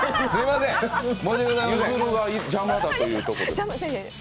ゆずるが邪魔だということで。